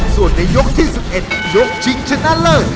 ส่วนในยกที่๑๑ยกชิงชนะเลิศ